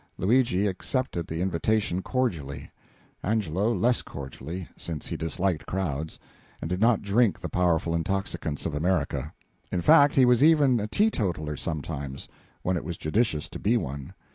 Luigi accepted the invitation cordially, Angelo less cordially, since he disliked crowds, and did not drink the powerful intoxicants of America. In fact, he was even a teetotaler sometimes when it was judicious to be one.